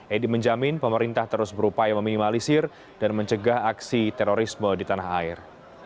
edi menjamin pemerintah terus berupaya meminimalisir dan mencegah aksi terorisme di tanah air